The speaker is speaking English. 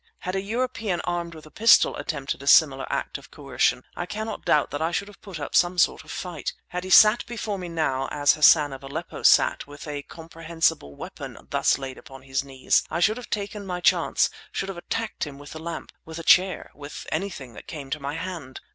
Had a European armed with a pistol attempted a similar act of coercion, I cannot doubt that I should have put up some sort of fight; had he sat before me now as Hassan of Aleppo sat, with a comprehensible weapon thus laid upon his knees, I should have taken my chance, should have attacked him with the lamp, with a chair, with anything that came to my hand.